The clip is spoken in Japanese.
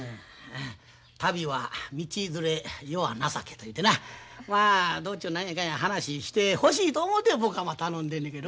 「旅は道連れ世は情け」というてなまあ道中何やかんや話してほしいと思て僕は頼んでんねんけど。